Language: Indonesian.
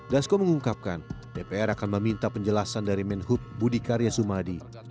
dasko mengungkapkan dpr akan meminta penjelasan dari menhub budi karya sumadi